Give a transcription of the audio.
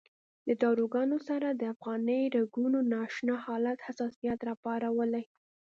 د داروګانو سره د افغاني رګونو نا اشنا حالت حساسیت راپارولی.